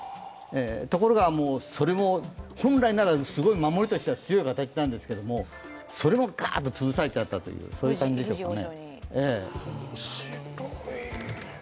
ところが、それも本来ならすごい守りとしては強い形なんですけど、それもガーッとつぶされちゃったという感じですね。